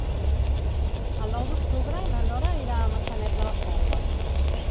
El nou d'octubre na Nora irà a Maçanet de la Selva.